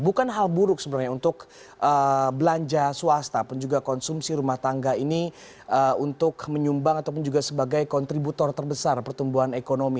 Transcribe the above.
bukan hal buruk sebenarnya untuk belanja swasta pun juga konsumsi rumah tangga ini untuk menyumbang ataupun juga sebagai kontributor terbesar pertumbuhan ekonomi